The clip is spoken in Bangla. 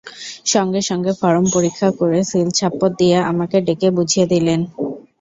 সঙ্গে সঙ্গে ফরম পরীক্ষা করে সিল-ছাপ্পর দিয়ে আমাকে ডেকে বুঝিয়ে দিলেন।